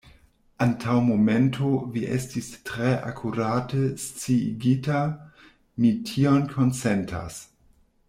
Antaŭ momento vi estis tre akurate sciigita; mi tion konsentas.